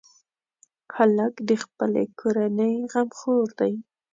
هلک د خپلې کورنۍ غمخور دی.